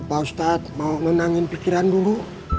opa ustadz mau nenangin pikiran dulu